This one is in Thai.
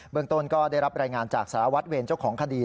เมืองต้นก็ได้รับรายงานจากสารวัตรเวรเจ้าของคดี